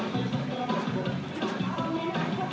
ตรงตรงตรง